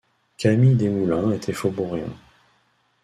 Camille Desmoulins était faubourien.